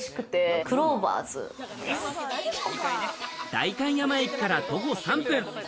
代官山駅から徒歩３分。